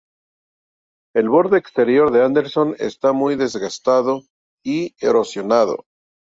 El borde exterior de Anderson está muy desgastado y erosionado.